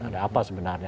ada apa sebenarnya